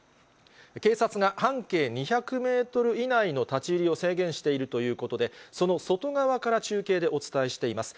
警察が半径２００メートル以内の立ち入りを制限しているということで、その外側から中継でお伝えしています。